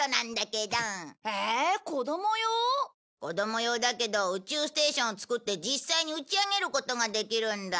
子供用だけど宇宙ステーションを作って実際に打ち上げることができるんだ。